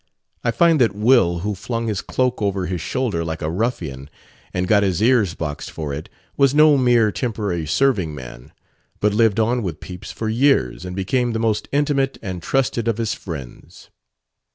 I find that 'Will,' who flung his cloak over his shoulder, 'like a ruffian,' and got his ears boxed for it, was no mere temporary serving man, but lived on with Pepys for years and became the most intimate and trusted of his friends.